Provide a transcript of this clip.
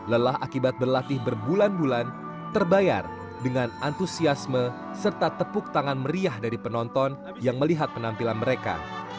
lelah akibat berlatih berbulan bulan terbayar dengan antusiasme serta tepuk tangan meriah dari penonton yang melihat penampilan mereka